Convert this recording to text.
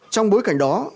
trong bối cảnh đó